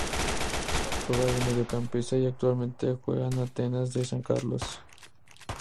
Juega de mediocampista y actualmente juega en Atenas de San Carlos.